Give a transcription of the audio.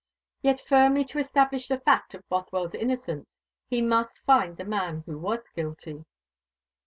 Yet firmly to establish the fact of Bothwell's innocence, he must find the man who was guilty.